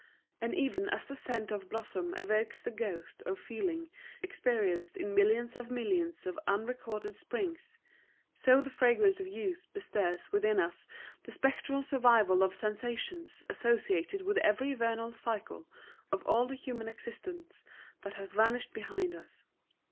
And even as the scent of a blossom evokes the ghosts of feelings experienced in millions of millions of unrecorded springs, so the fragrance of youth bestirs within us the spectral survival of sensations associated with every vernal cycle of all the human existence that has vanished behind us.